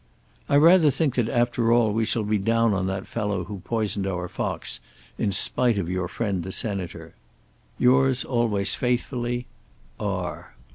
I rather think that after all we shall be down on that fellow who poisoned our fox, in spite of your friend the Senator. Yours always faithfully, R.